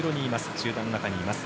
集団の中にいます。